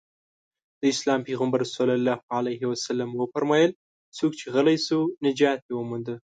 د اسلام پيغمبر ص وفرمايل څوک چې غلی شو نجات يې ومونده.